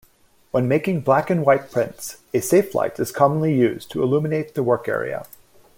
When making black-and-white prints, a safelight is commonly used to illuminate the work area.